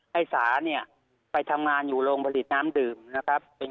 ให้สาเนี่ยไปทำงานอยู่โรงผลิตน้ำดื่มนะครับ